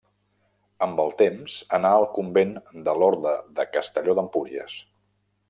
Amb el temps, anà al convent de l'orde de Castelló d'Empúries.